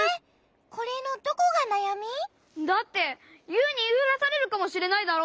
これのどこがなやみ？だってユウにいいふらされるかもしれないだろ？